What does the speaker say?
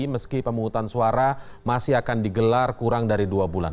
meski pemungutan suara masih akan digelar kurang dari dua bulan